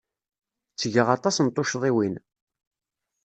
Ttgeɣ aṭas n tuccḍiwin.